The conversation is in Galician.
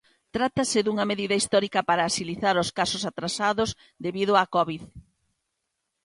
Trátase dunha medida histórica para axilizar os casos atrasados debido á Covid.